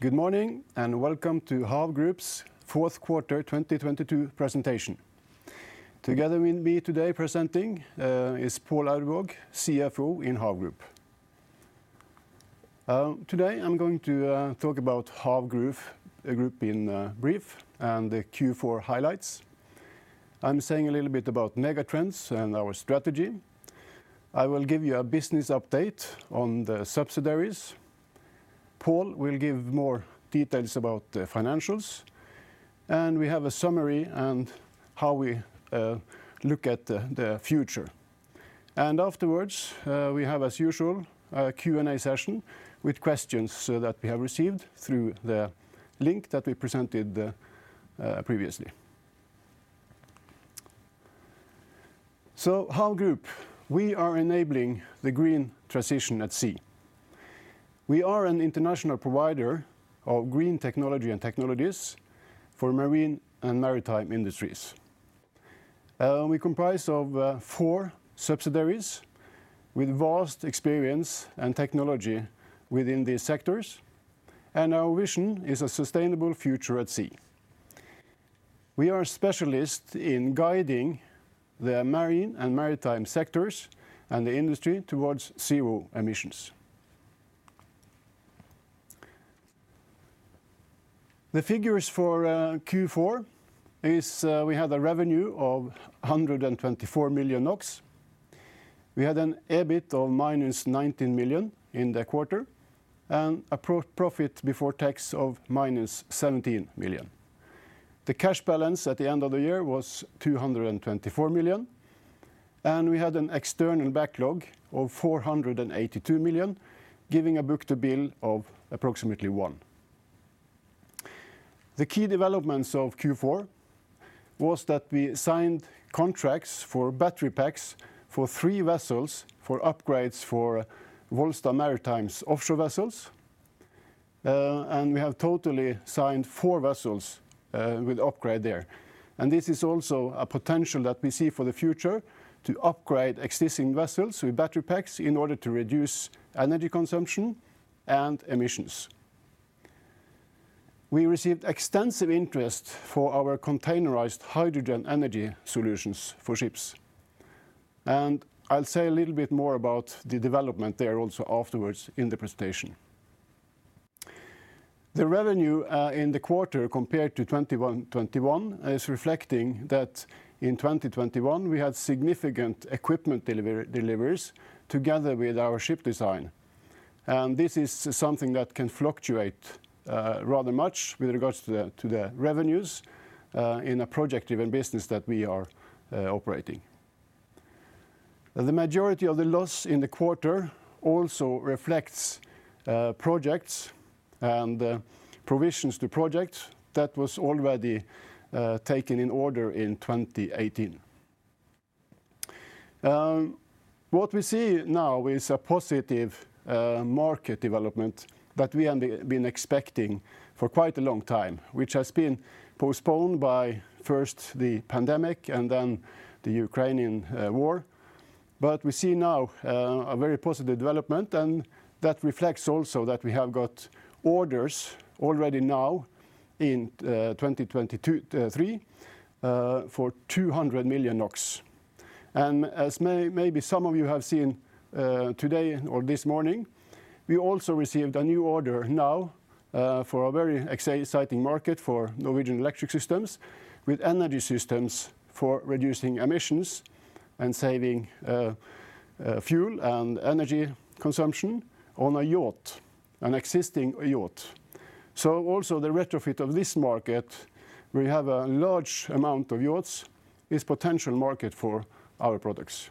Good morning, and welcome to Hav Group's fourth quarter 2022 presentation. Together with me today presenting is Pål Aurvåg, CFO in Hav Group. Today I'm going to talk about Hav Group in brief, and the Q4 highlights. I'm saying a little bit about megatrends and our strategy. I will give you a business update on the subsidiaries. Pål will give more details about the financials. We have a summary on how we look at the future. Afterwards, we have as usual, a Q&A session with questions that we have received through the link that we presented previously. Hav Group, we are enabling the green transition at sea. We are an international provider of green technology and technologies for marine and maritime industries. We comprise of four subsidiaries with vast experience and technology within these sectors, and our vision is a sustainable future at sea. We are specialists in guiding the marine and maritime sectors and the industry towards zero emissions. The figures for Q4 is, we had a revenue of 124 million NOK. We had an EBIT of -19 million in the quarter, and a profit before tax of -17 million. The cash balance at the end of the year was 224 million, and we had an external backlog of 482 million, giving a book-to-bill of approximately 1. The key developments of Q4 was that we signed contracts for battery packs for three vessels for upgrades for Volstad Maritime's offshore vessels. And we have totally signed four vessels with upgrade there. This is also a potential that we see for the future to upgrade existing vessels with battery packs in order to reduce energy consumption and emissions. We received extensive interest for our containerized hydrogen energy solutions for ships, and I'll say a little bit more about the development there also afterwards in the presentation. The revenue in the quarter compared to 2021 is reflecting that in 2021, we had significant equipment deliveries together with our ship design. This is something that can fluctuate rather much with regards to the revenues in a project-driven business that we are operating. The majority of the loss in the quarter also reflects projects and provisions to projects that was already taken in order in 2018. What we see now is a positive market development that we have been expecting for quite a long time, which has been postponed by first the pandemic and then the Ukrainian war. We see now a very positive development, and that reflects also that we have got orders already now in 2023, for 200 million NOK. As maybe some of you have seen today or this morning, we also received a new order now for a very exciting market for Norwegian Electric Systems with energy systems for reducing emissions and saving fuel and energy consumption on a yacht, an existing yacht. Also the retrofit of this market, we have a large amount of yachts, is potential market for our products.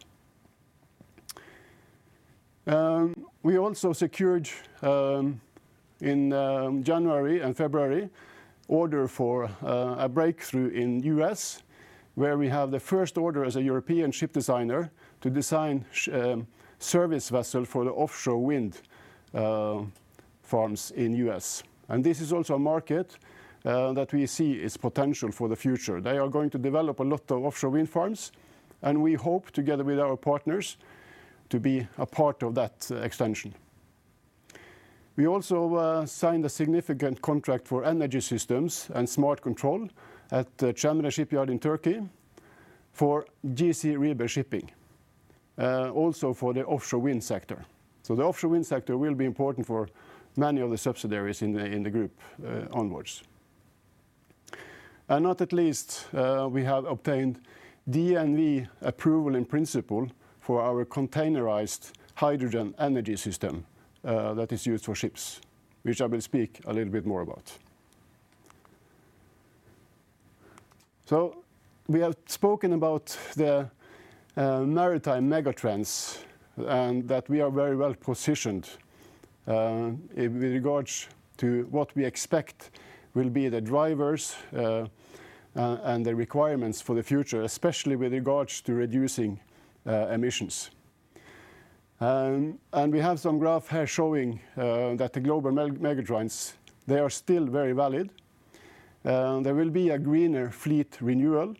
We also secured in January and February, order for a breakthrough in U.S., where we have the first order as a European ship designer to design service vessel for the offshore wind farms in U.S. This is also a market that we see is potential for the future. They are going to develop a lot of offshore wind farms, and we hope, together with our partners, to be a part of that extension. We also signed a significant contract for energy systems and smart control at Cemre Shipyard in Turkey for GC Rieber Shipping, also for the offshore wind sector. The offshore wind sector will be important for many of the subsidiaries in the group onwards. Not at least, we have obtained DNV Approval in Principle for our containerized hydrogen energy system that is used for ships, which I will speak a little bit more about. We have spoken about the maritime megatrends and that we are very well-positioned in regards to what we expect will be the drivers and the requirements for the future, especially with regards to reducing emissions. We have some graph here showing that the global megatrends, they are still very valid. There will be a greener fleet renewal.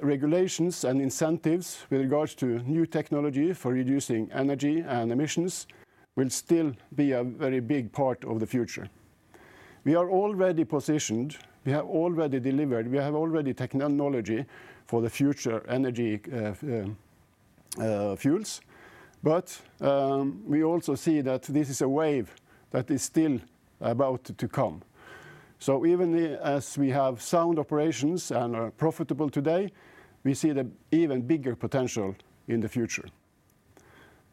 Regulations and incentives with regards to new technology for reducing energy and emissions will still be a very big part of the future. We are already positioned, we have already delivered, we have already technology for the future energy fuels. We also see that this is a wave that is still about to come. Even as we have sound operations and are profitable today, we see the even bigger potential in the future.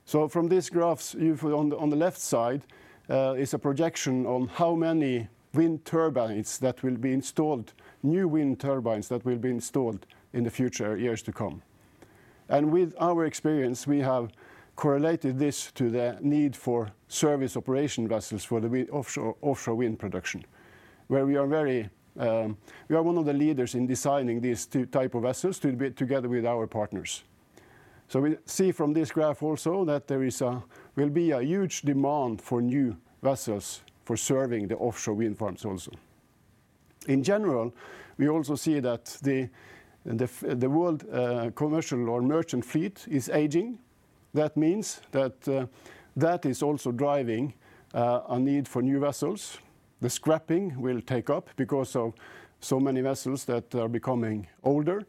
From these graphs, if on the left side, is a projection on how many wind turbines that will be installed, new wind turbines that will be installed in the future years to come. With our experience, we have correlated this to the need for service operation vessels for the offshore wind production, where we are very, we are one of the leaders in designing these two type of vessels to build together with our partners. We see from this graph also that there will be a huge demand for new vessels for serving the offshore wind farms also. In general, we also see that the world commercial or merchant fleet is aging. That means that that is also driving a need for new vessels. The scrapping will take up because of so many vessels that are becoming older.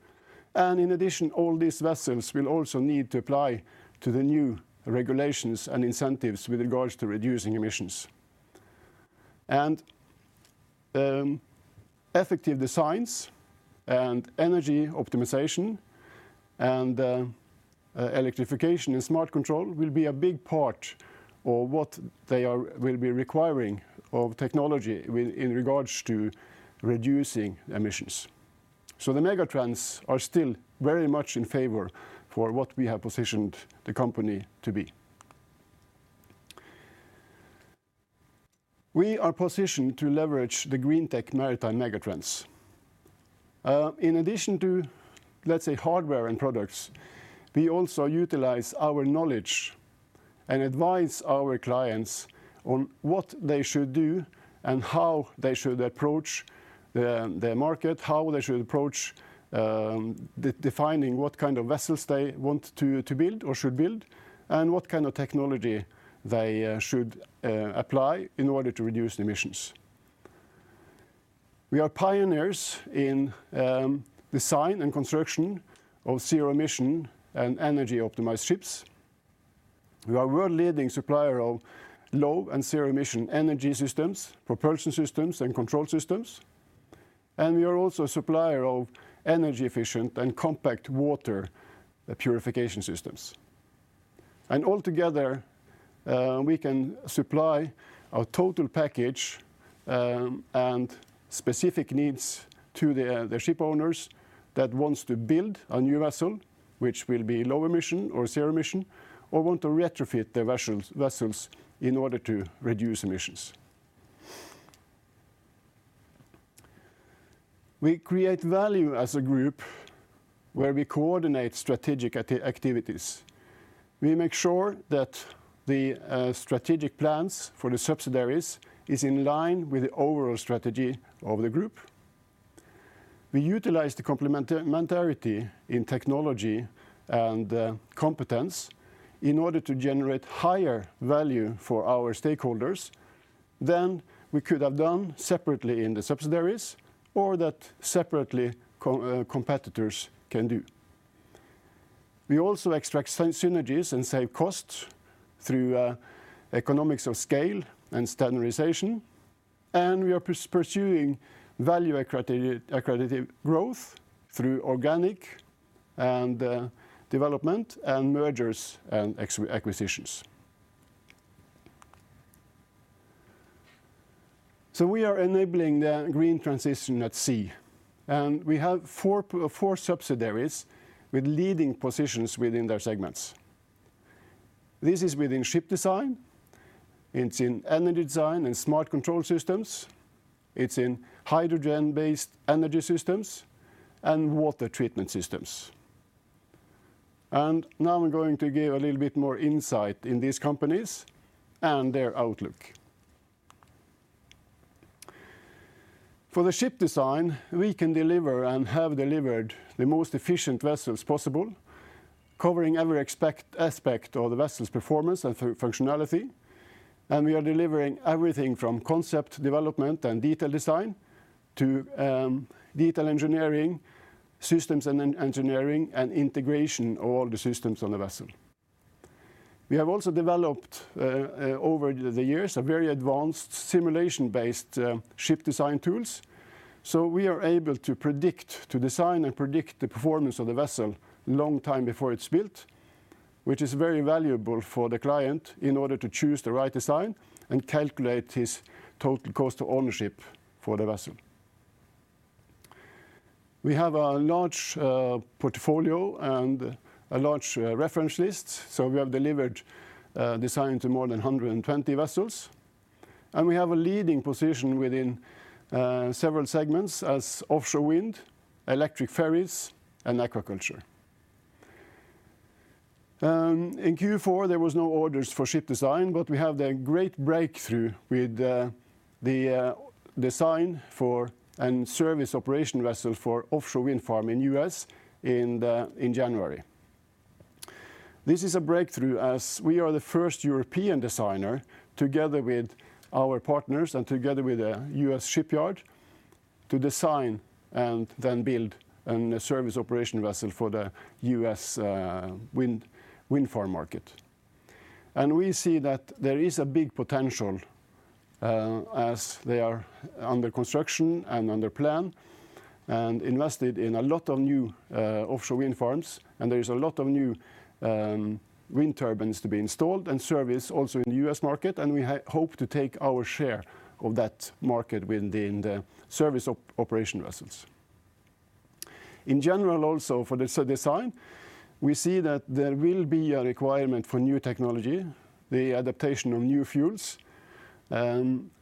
In addition, all these vessels will also need to apply to the new regulations and incentives with regards to reducing emissions. Effective designs and energy optimization and electrification and smart control will be a big part of what they will be requiring of technology in regards to reducing emissions. The megatrends are still very much in favor for what we have positioned the company to be. We are positioned to leverage the Maritime GreenTech megatrends. In addition to, let's say, hardware and products, we also utilize our knowledge and advise our clients on what they should do and how they should approach the market, how they should approach defining what kind of vessels they want to build or should build, and what kind of technology they should apply in order to reduce the emissions. We are pioneers in design and construction of zero-emission and energy-optimized ships. We are world leading supplier of low and zero-emission energy systems, propulsion systems, and control systems. We are also a supplier of energy efficient and compact water purification systems. Altogether, we can supply a total package and specific needs to the ship owners that wants to build a new vessel, which will be low emission or zero emission, or want to retrofit their vessels in order to reduce emissions. We create value as a group where we coordinate strategic activities. We make sure that the strategic plans for the subsidiaries is in line with the overall strategy of the group. We utilize the complementarity in technology and competence in order to generate higher value for our stakeholders than we could have done separately in the subsidiaries, or that separately competitors can do. We also extract synergies and save costs through economics of scale and standardization, and we are pursuing value accretive growth through organic and development and mergers and acquisitions. We are enabling the green transition at sea. We have four subsidiaries with leading positions within their segments. This is within ship design, it's in energy design and smart control systems, it's in hydrogen-based energy systems, and water treatment systems. Now I'm going to give a little bit more insight in these companies and their outlook. For the ship design, we can deliver and have delivered the most efficient vessels possible, covering every aspect of the vessel's performance and functionality, and we are delivering everything from concept development and detail design to detail engineering, systems and engineering, and integration of all the systems on the vessel. We have also developed, over the years, a very advanced simulation-based ship design tools, so we are able to predict, to design and predict the performance of the vessel long time before it's built, which is very valuable for the client in order to choose the right design and calculate his total cost of ownership for the vessel. We have a large portfolio and a large reference list, so we have delivered design to more than 120 vessels, and we have a leading position within several segments as offshore wind, electric ferries, and aquaculture. In Q4, there was no orders for ship design, but we have the great breakthrough with the design for and service operation vessel for offshore wind farm in U.S. in January. This is a breakthrough as we are the first European designer together with our partners and together with the U.S. shipyard to design and then build a service operation vessel for the U.S. wind farm market. We see that there is a big potential as they are under construction and under plan and invested in a lot of new offshore wind farms. There is a lot of new wind turbines to be installed and service also in the U.S. market, and we hope to take our share of that market within the service operation vessels. In general also, for this design, we see that there will be a requirement for new technology, the adaptation of new fuels,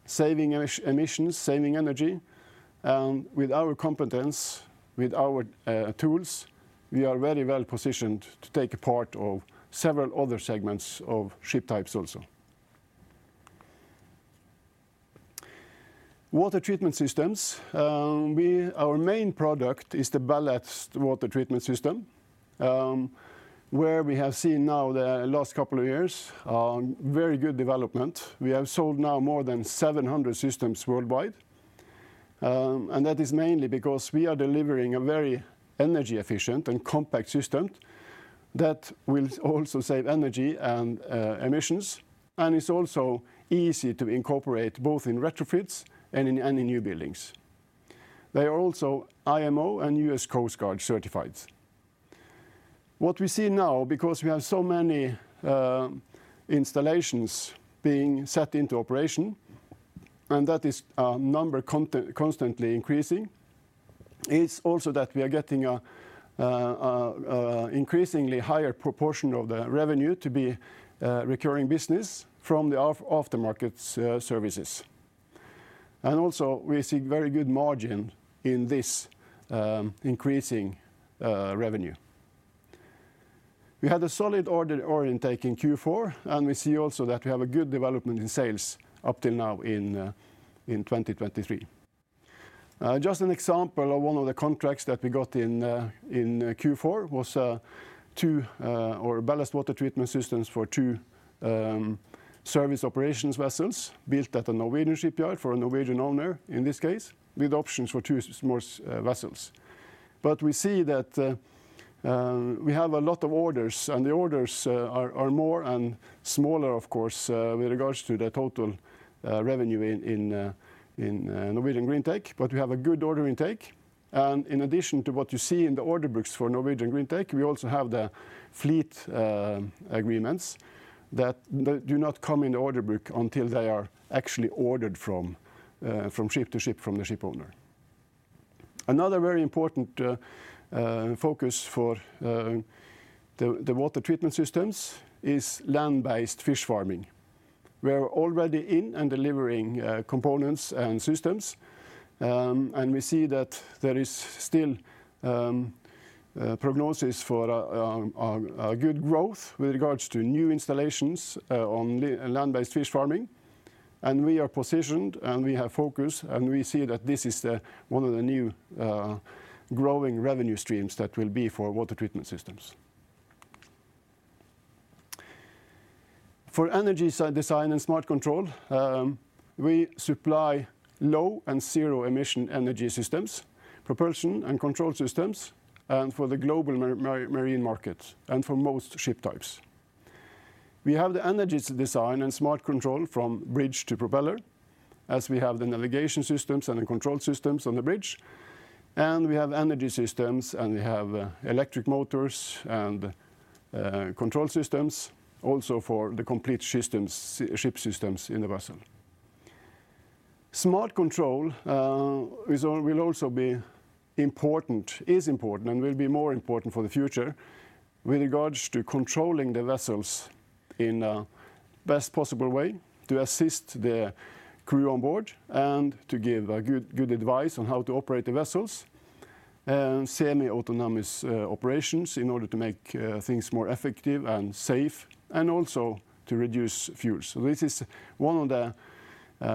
saving emissions, saving energy, with our competence, with our tools, we are very well-positioned to take a part of several other segments of ship types also. Water treatment systems. Our main product is the ballast water treatment system, where we have seen now the last couple of years, very good development. We have sold now more than 700 systems worldwide, and that is mainly because we are delivering a very energy efficient and compact system that will also save energy and emissions, and it's also easy to incorporate both in retrofits and in, any new buildings. They are also IMO and US Coast Guard certified. What we see now, because we have so many installations being set into operation, and that is constantly increasing, it's also that we are getting an increasingly higher proportion of the revenue to be recurring business from the aftermarket services. Also, we see very good margin in this increasing revenue. We had a solid order intake in Q4, and we see also that we have a good development in sales up till now in 2023. Just an example of one of the contracts that we got in Q4 was 2 ballast water treatment systems for 2 service operation vessels built at a Norwegian shipyard for a Norwegian owner, in this case, with options for 2 more vessels. We see that we have a lot of orders, and the orders are more and smaller, of course, with regards to the total revenue in Norwegian Greentech, but we have a good order intake. In addition to what you see in the order books for Norwegian Greentech, we also have the fleet agreements that do not come in the order book until they are actually ordered from ship to ship from the shipowner. Another very important focus for the water treatment systems is land-based fish farming. We're already in and delivering components and systems, and we see that there is still prognosis for a good growth with regards to new installations on land-based fish farming. We are positioned, and we have focus, and we see that this is one of the new growing revenue streams that will be for water treatment systems. For energy design and smart control, we supply low and zero emission energy systems, propulsion and control systems, and for the global marine market and for most ship types. We have the energy design and smart control from bridge to propeller, as we have the navigation systems and the control systems on the bridge, and we have energy systems, and we have electric motors and control systems also for the complete systems, ship systems in the vessel. Smart control will also be important, is important and will be more important for the future with regards to controlling the vessels in a best possible way to assist the crew on board and to give good advice on how to operate the vessels and semi-autonomous operations in order to make things more effective and safe, and also to reduce fuel. This is one of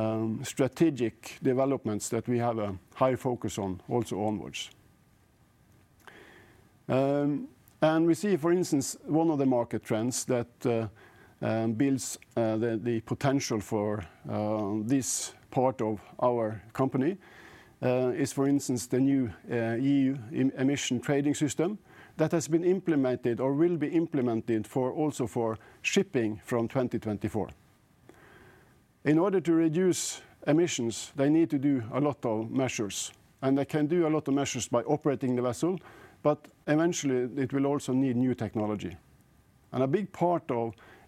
the strategic developments that we have a high focus on also onwards. We see, for instance, one of the market trends that builds the potential for this part of our company is, for instance, the new EU Emissions Trading System that has been implemented or will be implemented for, also for shipping from 2024. In order to reduce emissions, they need to do a lot of measures, and they can do a lot of measures by operating the vessel, but eventually, it will also need new technology. A big part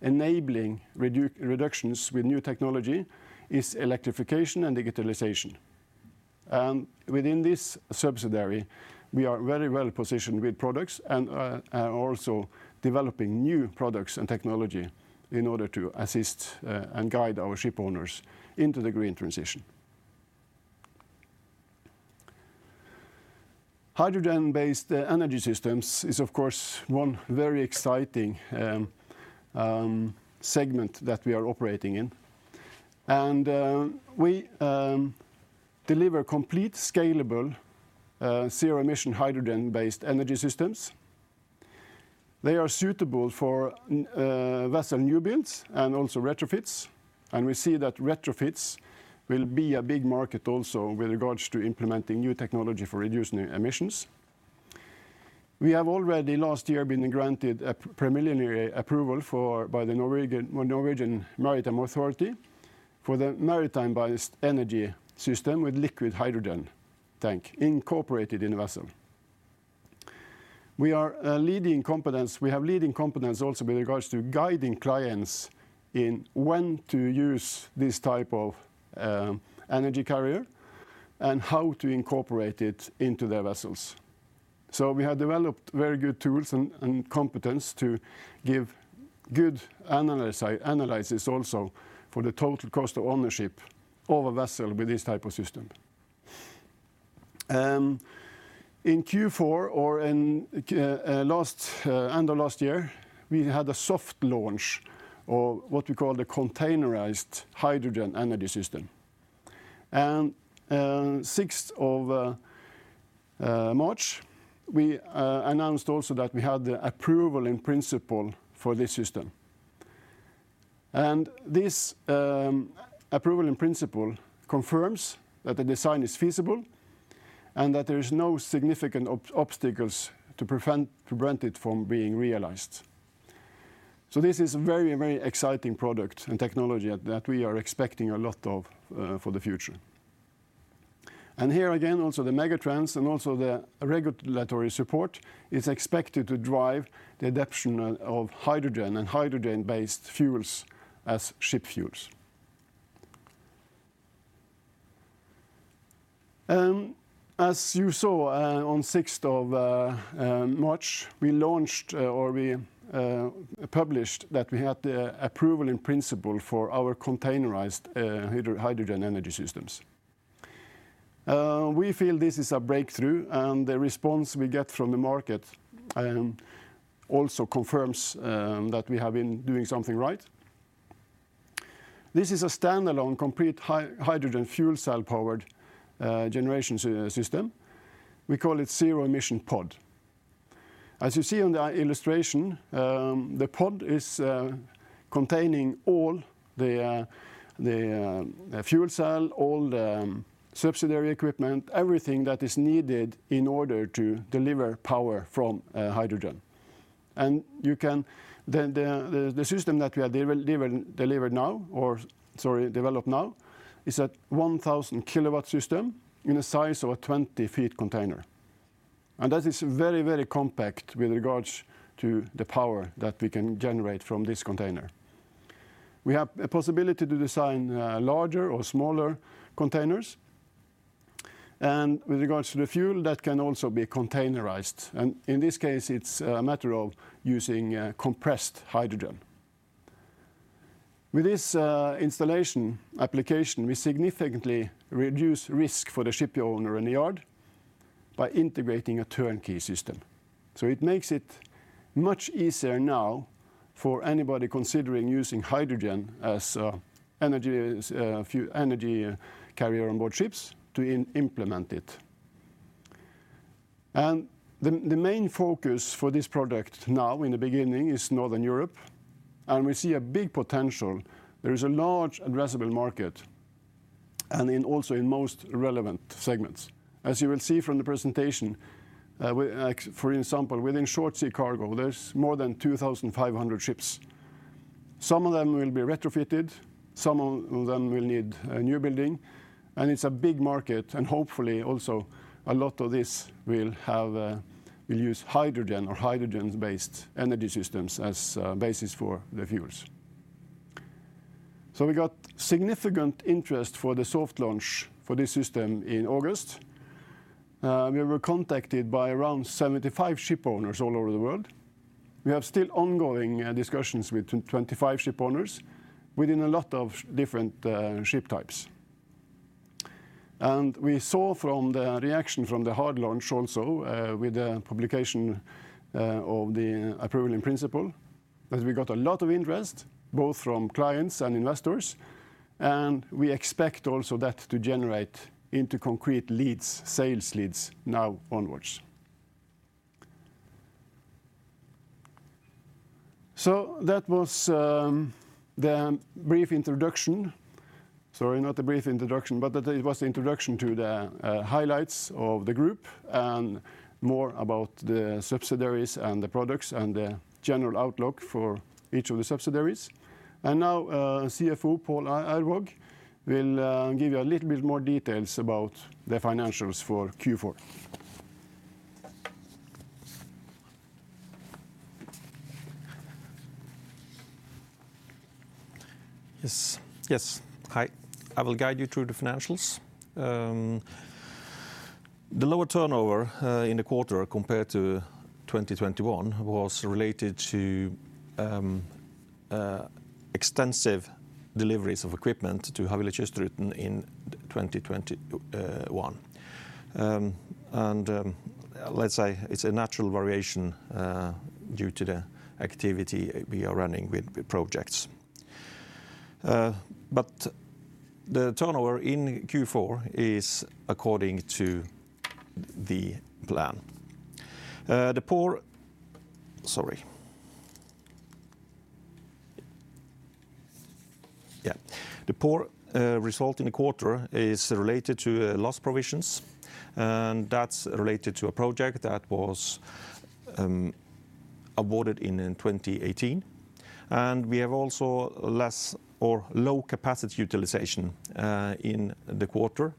of enabling reductions with new technology is electrification and digitalization. Within this subsidiary, we are very well-positioned with products and also developing new products and technology in order to assist and guide our ship owners into the green transition. Hydrogen-based energy systems is, of course, one very exciting segment that we are operating in. We deliver complete scalable zero-emission hydrogen-based energy systems. They are suitable for vessel newbuilds and also retrofits, and we see that retrofits will be a big market also with regards to implementing new technology for reducing emissions. We have already last year been granted a preliminary approval by the Norwegian Maritime Authority for the maritime-based energy system with liquid hydrogen tank incorporated in the vessel. We are a leading competence. We have leading competence also with regards to guiding clients in when to use this type of energy carrier and how to incorporate it into their vessels. We have developed very good tools and competence to give good analysis also for the total cost of ownership of a vessel with this type of system. In Q4 or in last end of last year, we had a soft launch or what we call the containerized hydrogen energy system. 6th of March, we announced also that we had the Approval in Principle for this system. This Approval in Principle confirms that the design is feasible and that there is no significant obstacles to prevent it from being realized. This is a very, very exciting product and technology that we are expecting a lot of for the future. Here again, also the megatrends and also the regulatory support is expected to drive the adoption of hydrogen and hydrogen-based fuels as ship fuels. You saw on sixth of March, we launched or we published that we had the Approval in Principle for our containerized hydrogen energy systems. We feel this is a breakthrough. The response we get from the market also confirms that we have been doing something right. This is a standalone complete hydrogen fuel cell-powered generation system. We call it Zero Emission Pod. As you see on the illustration, the pod is containing all the fuel cell, all the subsidiary equipment, everything that is needed in order to deliver power from hydrogen. The system that we have developed now is a 1,000KW system in the size of a 20 feet container. That is very, very compact with regards to the power that we can generate from this container. We have a possibility to design larger or smaller containers. With regards to the fuel, that can also be containerized, and in this case, it's a matter of using compressed hydrogen. With this installation application, we significantly reduce risk for the shipowner and the yard by integrating a turnkey system. It makes it much easier now for anybody considering using hydrogen as an energy carrier onboard ships to implement it. The main focus for this product now in the beginning is Northern Europe, and we see a big potential. There is a large addressable market and also in most relevant segments. As you will see from the presentation, like for example, within short sea cargo, there's more than 2,500 ships. Some of them will be retrofitted, some of them will need a new building, and it's a big market, and hopefully also a lot of this will have, will use hydrogen or hydrogen-based energy systems as basis for the fuels. We got significant interest for the soft launch for this system in August. We were contacted by around 75 shipowners all over the world. We have still ongoing discussions with 25 shipowners within a lot of different ship types. We saw from the reaction from the hard launch also, with the publication of the Approval in Principle, that we got a lot of interest both from clients and investors, and we expect also that to generate into concrete leads, sales leads now onwards. That was the brief introduction. Sorry, not a brief introduction, but that it was the introduction to the highlights of the group and more about the subsidiaries and the products and the general outlook for each of the subsidiaries. Now, CFO Pål Aurvåg will give you a little bit more details about the financials for Q4. Yes. Yes. Hi. I will guide you through the financials. The lower turnover in the quarter compared to 2021 was related to extensive deliveries of equipment to Havila Kystruten in 2021. Let's say it's a natural variation due to the activity we are running with projects. The turnover in Q4 is according to the plan. The poor result in the quarter is related to loss provisions, and that's related to a project that was awarded in 2018. We have also less or low capacity utilization in the quarter.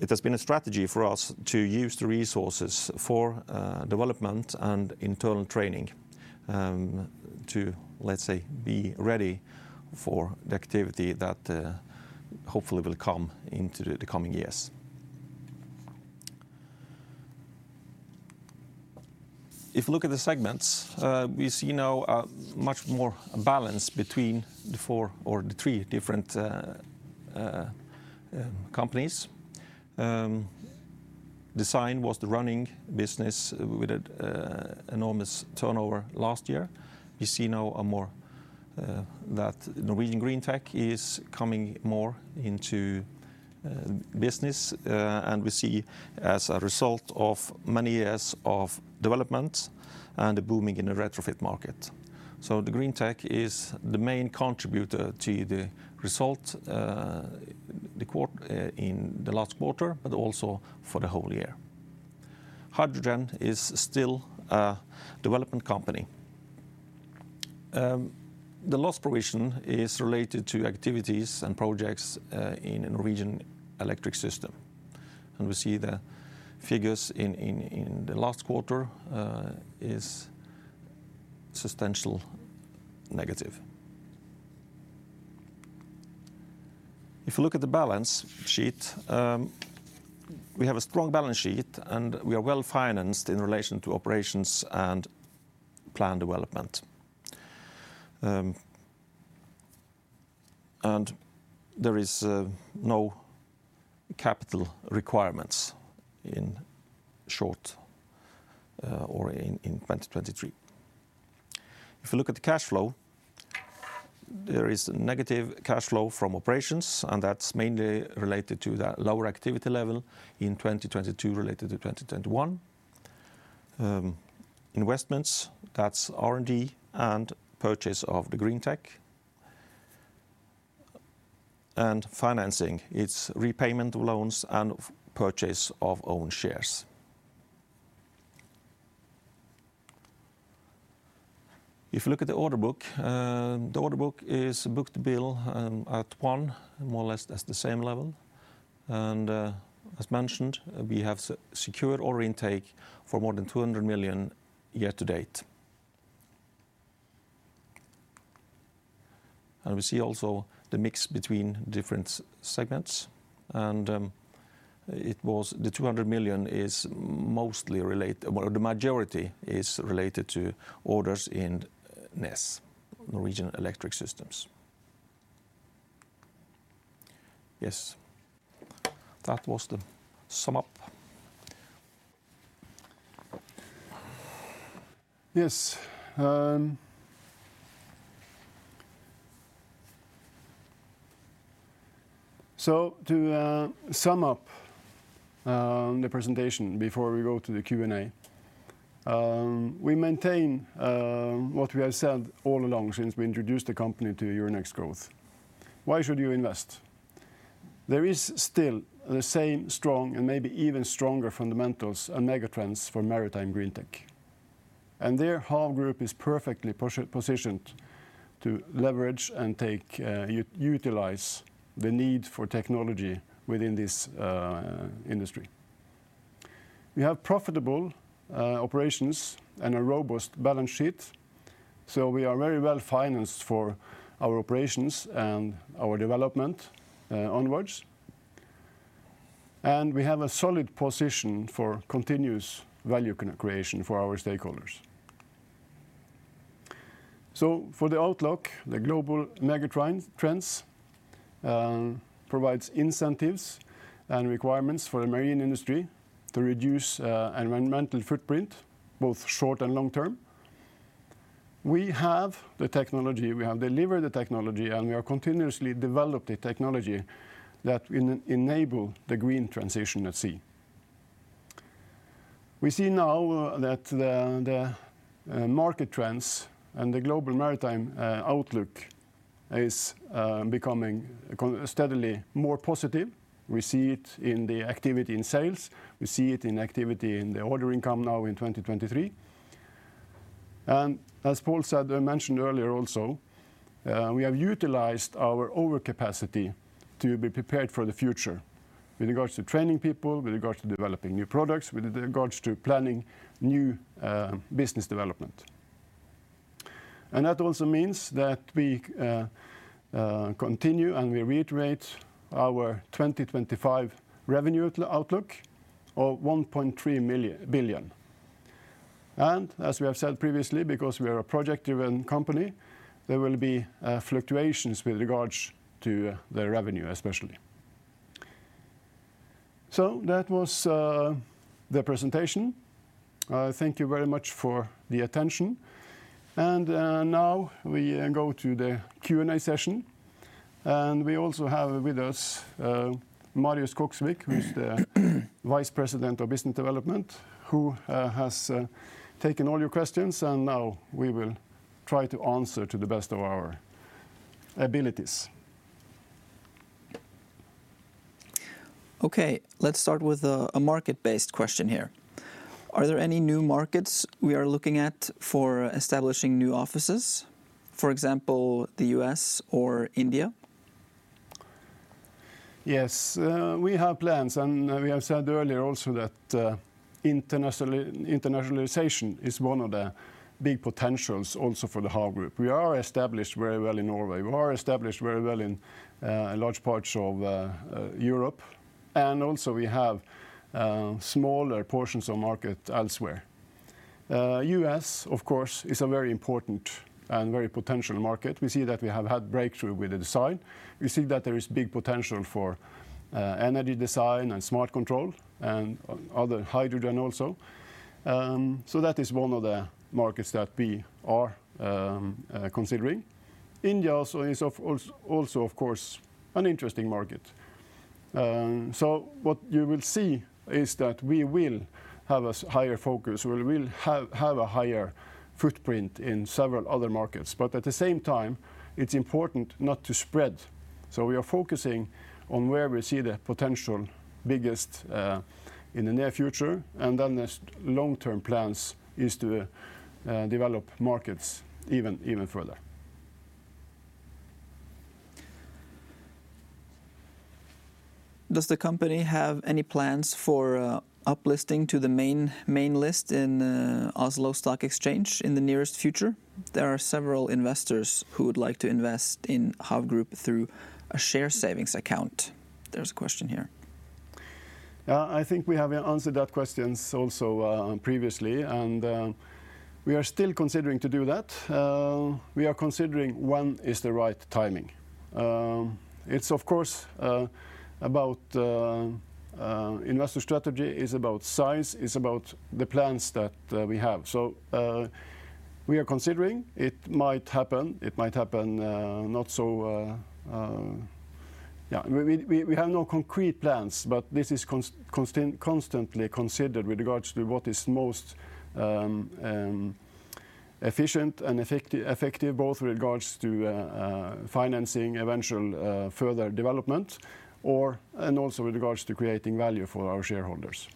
It has been a strategy for us to use the resources for development and internal training to, let's say, be ready for the activity that hopefully will come into the coming years. If you look at the segments, we see now a much more balance between the four or the three different companies. Design was the running business with a enormous turnover last year. We see now a more that Norwegian Greentech is coming more into business and we see as a result of many years of development and the booming in the retrofit market. The Greentech is the main contributor to the result in the last quarter, but also for the whole year. Hydrogen is still a development company. The loss provision is related to activities and projects in a Norwegian Electric Systems. We see the figures in the last quarter is substantial negative. If you look at the balance sheet, we have a strong balance sheet, and we are well-financed in relation to operations and plan development. There is no capital requirements in short or in 2023. If you look at the cash flow, there is a negative cash flow from operations, and that's mainly related to the lower activity level in 2022 related to 2021. Investments, that's R&D and purchase of the Norwegian Greentech. Financing, it's repayment loans and purchase of own shares. If you look at the order book, the order book is book-to-bill at 1, more or less that's the same level. As mentioned, we have secured order intake for more than 200 million year to date. We see also the mix between different segments, and it was the 200 million is mostly related. Well, the majority is related to orders in NES, Norwegian Electric Systems. Yes. That was the sum up. Yes, so to sum up the presentation before we go to the Q&A, we maintain what we have said all along since we introduced the company to Euronext Growth. Why should you invest? There is still the same strong and maybe even stronger fundamentals and mega trends for Maritime GreenTech. HAV Group is perfectly positioned to leverage and utilize the need for technology within this industry. We have profitable operations and a robust balance sheet, so we are very well-financed for our operations and our development onwards. We have a solid position for continuous value creation for our stakeholders. For the outlook, the global mega trends provides incentives and requirements for the marine industry to reduce environmental footprint, both short and long term. We have the technology, we have delivered the technology, and we are continuously develop the technology that enable the green transition at sea. We see now that the market trends and the global maritime outlook is becoming steadily more positive. We see it in the activity in sales. We see it in activity in the order income now in 2023. As Pål said, mentioned earlier also, we have utilized our overcapacity to be prepared for the future with regards to training people, with regards to developing new products, with regards to planning new business development. That also means that we continue, and we reiterate our 2025 revenue outlook. 1.3 billion. As we have said previously, because we are a project-driven company, there will be fluctuations with regards to the revenue especially. That was the presentation. Thank you very much for the attention. Now we go to the Q&A session. We also have with us Marius Koksvik, who's the Vice President of Business Development, who has taken all your questions, and now we will try to answer to the best of our abilities. Okay, let's start with a market-based question here. Are there any new markets we are looking at for establishing new offices, for example, the U.S. or India? Yes. We have plans, we have said earlier also that, internationalization is one of the big potentials also for the Hav Group. We are established very well in Norway. We are established very well in large parts of Europe. Also, we have smaller portions of market elsewhere. U.S., of course, is a very important and very potential market. We see that we have had breakthrough with the design. We see that there is big potential for energy design and smart control and other, hydrogen also. That is one of the markets that we are considering. India also is of course an interesting market. What you will see is that we will have a higher focus. We will have a higher footprint in several other markets. At the same time, it's important not to spread, so we are focusing on where we see the potential biggest in the near future, and then the long-term plans is to develop markets even further. Does the company have any plans for up listing to the main list in Oslo Stock Exchange in the nearest future? There are several investors who would like to invest in Hav Group through a share savings account. There is a question here. I think we have answered that questions also previously. We are still considering to do that. We are considering when is the right timing. It's of course about investor strategy, it's about size, it's about the plans that we have. We are considering. It might happen, it might happen, we have no concrete plans, but this is constantly considered with regards to what is most efficient and effective both with regards to financing eventual, further development or and also with regards to creating value for our shareholders.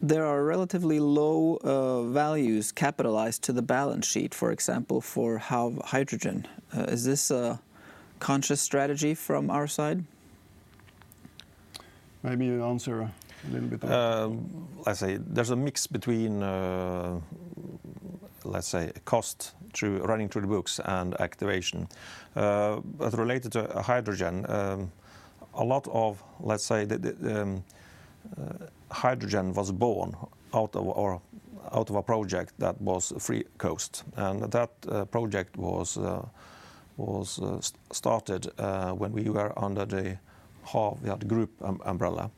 There are relatively low values capitalized to the balance sheet, for example, for Hav Hydrogen. Is this a conscious strategy from our side? Maybe you answer a little bit about that one. I say there's a mix between, let's say, cost through, running through the books and activation. Related to hydrogen, a lot of, let's say, the hydrogen was born out of, or out of a project that was FreeCO2ast, and that project was started when we were under the HAV Group umbrella.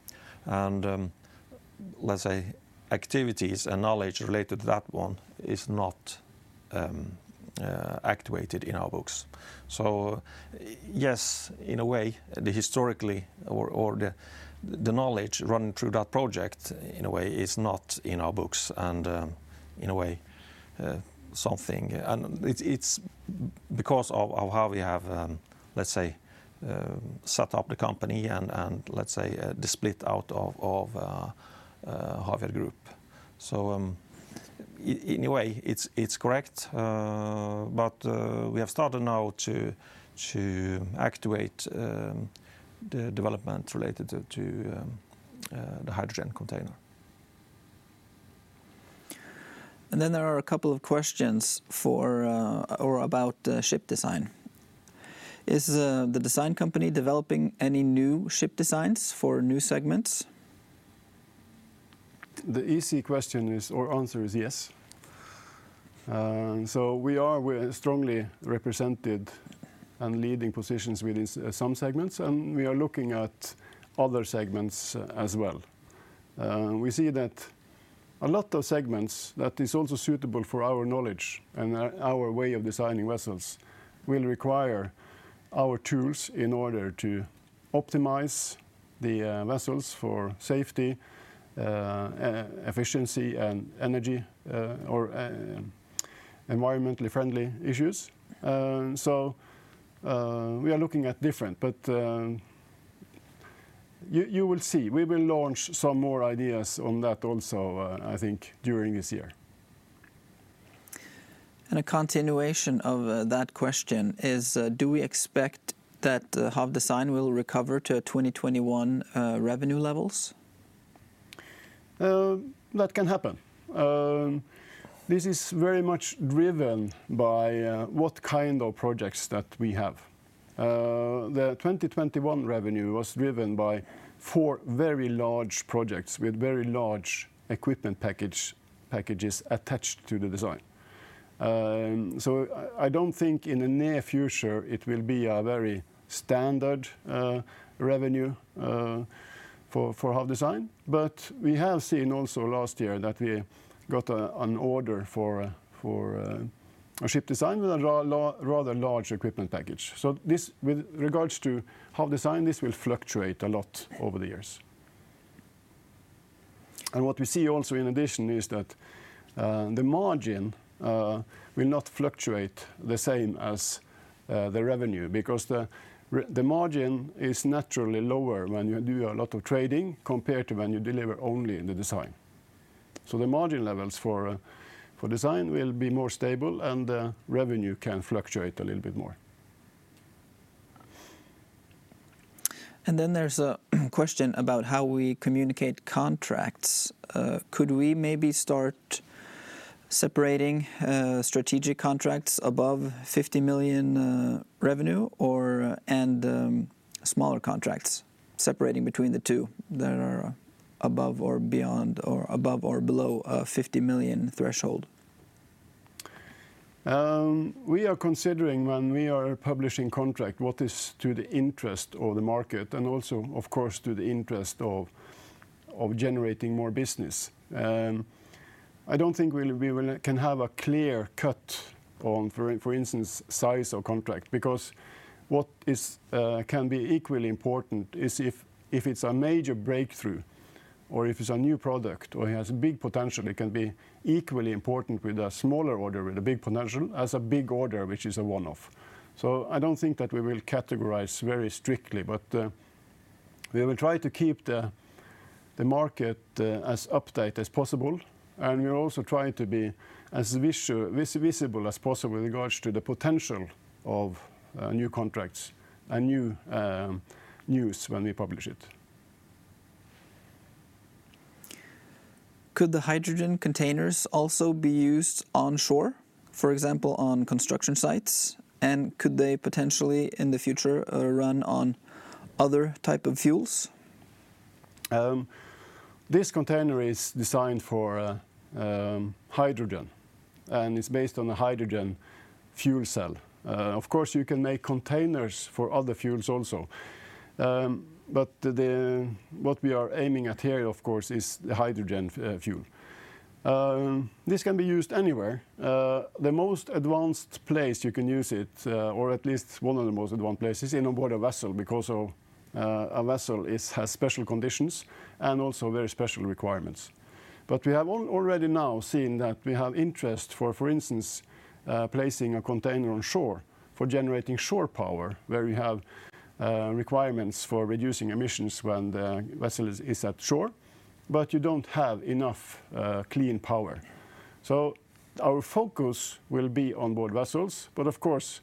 Let's say, activities and knowledge related to that one is not activated in our books. Yes, in a way, the historically or the knowledge running through that project in a way is not in our books and, in a way, something. It's because of how we have, let's say, set up the company and, let's say, the split out of Havyard Group. In a way, it's correct. We have started now to activate the development related to the hydrogen container. There are a couple of questions for or about ship design. Is the design company developing any new ship designs for new segments? The easy question is, or answer is yes. We are, we're strongly represented and leading positions within some segments, and we are looking at other segments as well. We see that a lot of segments that is also suitable for our knowledge and our way of designing vessels will require our tools in order to optimize the vessels for safety, efficiency and energy, or environmentally friendly issues. We are looking at different. You, you will see. We will launch some more ideas on that also, I think during this year. A continuation of that question is, do we expect that Hav Design will recover to 2021 revenue levels? That can happen. This is very much driven by what kind of projects that we have. The 2021 revenue was driven by 4 very large projects with very large equipment packages attached to the design. I don't think in the near future it will be a very standard revenue for HAV Design. But we have seen also last year that we got an order for a ship design with a rather large equipment package. So this, with regards to HAV Design, this will fluctuate a lot over the years. What we see also in addition is that the margin will not fluctuate the same as the revenue because the margin is naturally lower when you do a lot of trading compared to when you deliver only the design. The margin levels for design will be more stable, and the revenue can fluctuate a little bit more. There's a question about how we communicate contracts. Could we maybe start separating strategic contracts above 50 million revenue or, and, smaller contracts separating between the two that are above or beyond or above or below a 50 million threshold? We are considering when we are publishing contract what is to the interest of the market, and also, of course, to the interest of generating more business. I don't think we can have a clear cut on, for instance, size of contract because what is, can be equally important is if it's a major breakthrough or if it's a new product or it has big potential, it can be equally important with a smaller order with a big potential as a big order, which is a one-off. I don't think that we will categorize very strictly, but we will try to keep the market as updated as possible, and we are also trying to be as visible as possible in regards to the potential of new contracts and new news when we publish it. Could the hydrogen containers also be used onshore, for example, on construction sites? Could they potentially, in the future, run on other type of fuels? This container is designed for hydrogen, and it's based on a hydrogen fuel cell. Of course, you can make containers for other fuels also. What we are aiming at here, of course, is the hydrogen fuel. This can be used anywhere. The most advanced place you can use it, or at least one of the most advanced places, is on board a vessel because of a vessel has special conditions and also very special requirements. We have already now seen that we have interest for instance, placing a container onshore for generating shore power, where we have requirements for reducing emissions when the vessel is at shore, but you don't have enough clean power. Our focus will be on board vessels, but of course,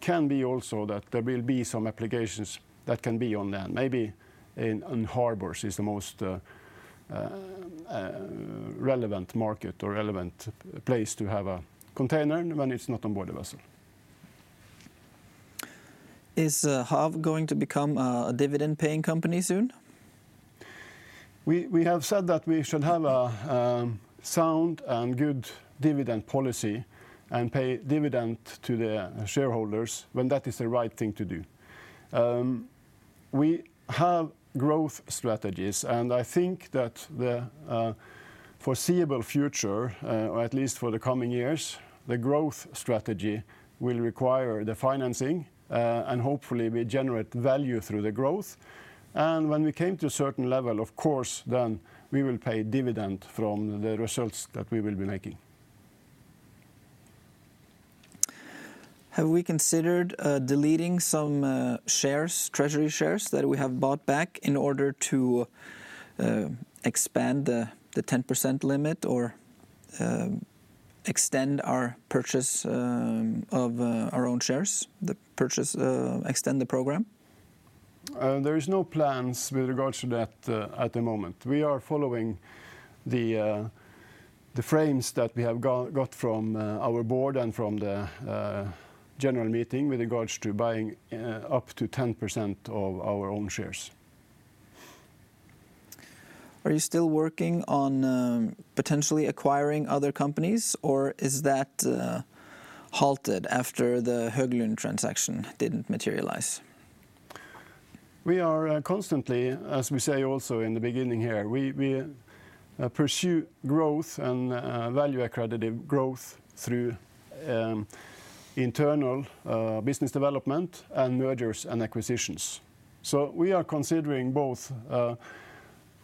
can be also that there will be some applications that can be on land. Maybe in harbors is the most relevant market or relevant place to have a container when it's not on board a vessel. Is Hav going to become a dividend-paying company soon? We have said that we should have a sound and good dividend policy and pay dividend to the shareholders when that is the right thing to do. We have growth strategies, and I think that the foreseeable future, or at least for the coming years, the growth strategy will require the financing. Hopefully, we generate value through the growth. When we came to a certain level, of course, then we will pay dividend from the results that we will be making. Have we considered deleting some shares, treasury shares that we have bought back in order to expand the 10% limit or extend our purchase of our own shares, extend the program? There is no plans with regards to that, at the moment. We are following the frames that we have got from our board and from the general meeting with regards to buying up to 10% of our own shares. Are you still working on, potentially acquiring other companies, or is that halted after the Høglund transaction didn't materialize? We are constantly, as we say also in the beginning here, we pursue growth and value-accretive growth through internal business development and mergers and acquisitions. We are considering both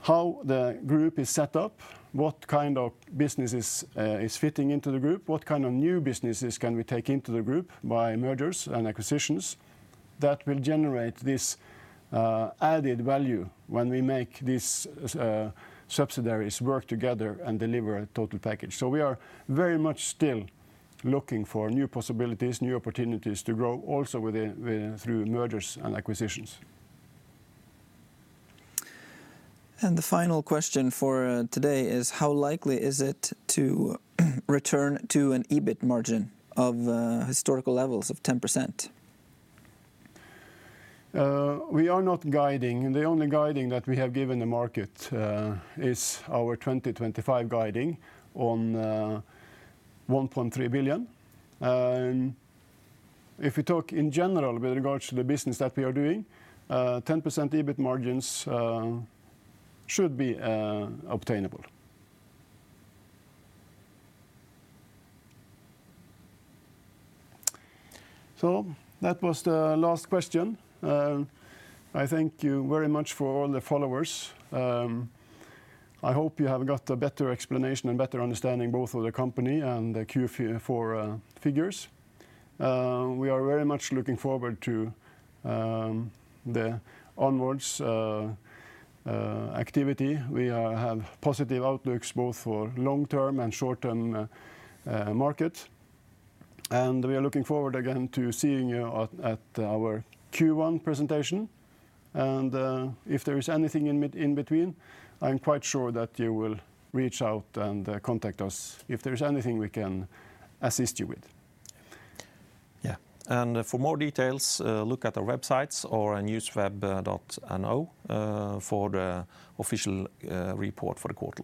how the group is set up, what kind of businesses is fitting into the group, what kind of new businesses can we take into the group by mergers and acquisitions that will generate this added value when we make these subsidiaries work together and deliver a total package. We are very much still looking for new possibilities, new opportunities to grow also with through mergers and acquisitions. The final question for today is: How likely is it to return to an EBIT margin of historical levels of 10%? We are not guiding. The only guiding that we have given the market is our 2025 guiding on 1.3 billion. If you talk in general with regards to the business that we are doing, 10% EBIT margins should be obtainable. That was the last question. I thank you very much for all the followers. I hope you have got a better explanation and better understanding both of the company and the Q4 figures. We are very much looking forward to the onwards activity. We have positive outlooks both for long-term and short-term market. We are looking forward again to seeing you at our Q1 presentation. If there is anything in between, I'm quite sure that you will reach out and contact us if there's anything we can assist you with. Yeah. For more details, look at our websites or NewsWeb, for the official report for the quarter.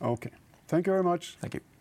Okay. Thank you very much. Thank you.